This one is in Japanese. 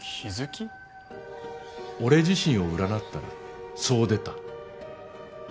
俺自身を占ったらそう出た。